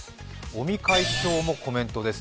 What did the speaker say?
尾身会長もコメントです。